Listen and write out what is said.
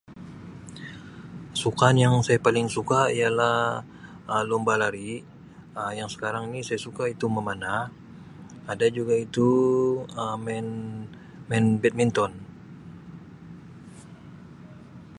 Sukan yang saya paling suka ialah Um lumba lari Um yang sekarang ini saya suka itu memanah ada juga itu Um main main badminton.